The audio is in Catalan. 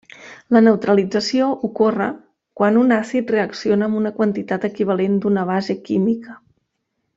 La neutralització ocorre quan un àcid reacciona amb una quantitat equivalent d'una base química.